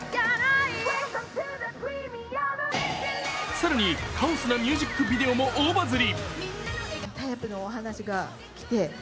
更に、カオスなミュージックビデオも大バズり。